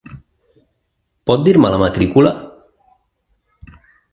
Pot dir-me la matrícula?